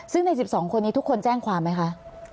ซึ่งใน๑๒คนนี้ทุกคนแจ้งความไหมคะ